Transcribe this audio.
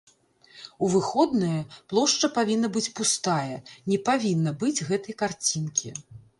У выходныя плошча павінна быць пустая, не павінна быць гэтай карцінкі.